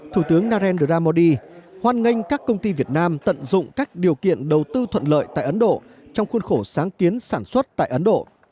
thủ tướng narendra modi hoan nghênh các công ty việt nam tận dụng các điều kiện đầu tư thuận lợi tại ấn độ trong khuôn khổ sáng kiến sản xuất tại ấn độ